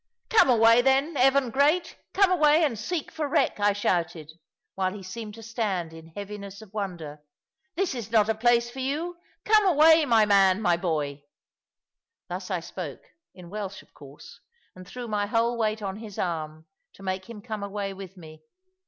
"Come away, then, Evan great; come away and seek for wreck," I shouted, while he seemed to stand in heaviness of wonder. "This is not a place for you. Come away, my man, my boy." Thus I spoke, in Welsh of course, and threw my whole weight on his arm, to make him come away with me.